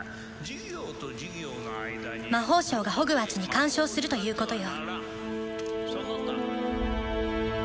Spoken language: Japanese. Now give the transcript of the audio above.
魔法省がホグワーツに干渉するということよ